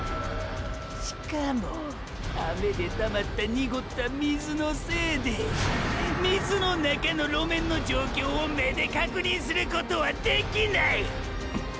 しかもォ雨でたまったにごった水のせいで水の中の路面の状況を目で確認することはできない！！